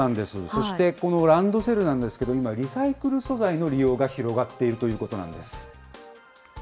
そして、このランドセルなんですけど、今リサイクル素材の利用が広がっているということなんです。